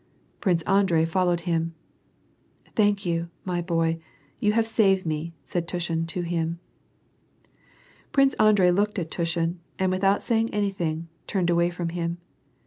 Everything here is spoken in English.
Prince Andrei followed him. " Thank you, my boy,* you have saved me," said Tushin to him. Prince Andrei looked at Tushin, and without saying any thing, turned away from him.